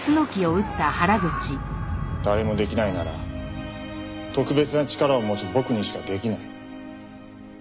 誰もできないなら特別な力を持つ僕にしかできない。